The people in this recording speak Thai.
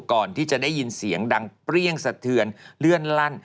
ก่อนที่จะได้ยินเสียงดังเปรี้ยงสะเทือนเลื่อนลั่น